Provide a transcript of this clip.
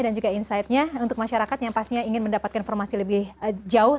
juga insightnya untuk masyarakat yang pastinya ingin mendapatkan informasi lebih jauh